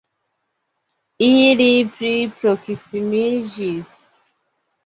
Ili pli proksimiĝis.